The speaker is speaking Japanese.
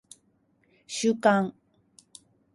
収監